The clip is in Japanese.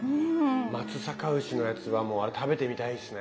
松阪牛のやつはもうあれ食べてみたいですね。